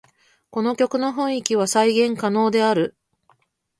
この曲の雰囲気は再現可能である